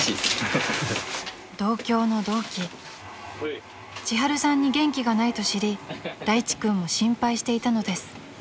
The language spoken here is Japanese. ［同郷の同期ちはるさんに元気がないと知りらいち君も心配していたのです］